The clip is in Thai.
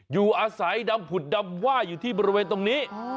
อยู่อาศัยดำผุดดำว่าอยู่ที่บริเวณตรงนี้